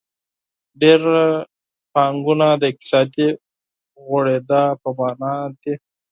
ډېره پانګونه د اقتصادي غوړېدا په مانا ده.